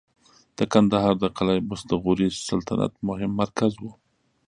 د کندهار د قلعه بست د غوري سلطنت مهم مرکز و